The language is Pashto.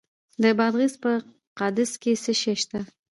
د بادغیس په قادس کې څه شی شته؟